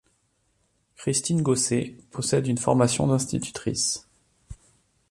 Christine Gossé possède une formation d'institutrice.